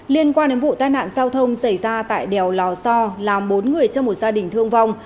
liên quan đến vụ tai nạn giao thông xảy ra tại đèo lò so làm bốn người trong một gia đình thương vong